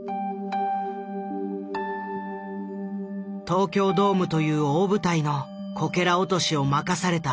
東京ドームという大舞台のこけら落としを任された誇り。